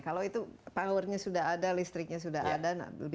kalau itu powernya sudah ada listriknya sudah ada